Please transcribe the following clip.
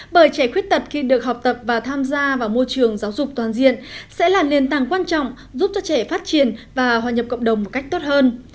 bởi trẻ khuyết tật khi được học tập và tham gia vào môi trường giáo dục toàn diện sẽ là nền tảng quan trọng giúp cho trẻ phát triển và hòa nhập cộng đồng một cách tốt hơn